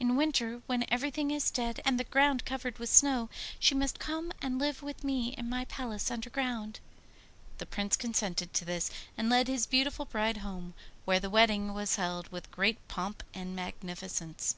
In winter, when everything is dead and the ground covered with snow, she must come and live with me in my palace underground.' The Prince consented to this, and led his beautiful bride home, where the wedding was held with great pomp and magnificence.